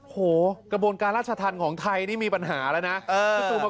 โหกระบวนการรัชฐันของไทยเนี่ยมีปัญหาแล้วนะเอ่อ